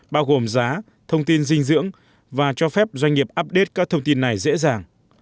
bao gồm giá thông tin dinh dưỡng và cho phép doanh nghiệp update các thông tin này dễ dàng